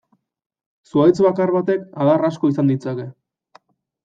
Zuhaitz bakar batek adar asko izan ditzake.